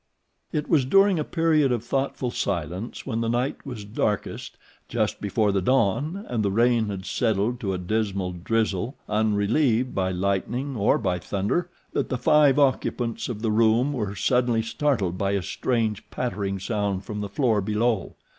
It was during a period of thoughtful silence when the night was darkest just before the dawn and the rain had settled to a dismal drizzle unrelieved by lightning or by thunder that the five occupants of the room were suddenly startled by a strange pattering sound from the floor below.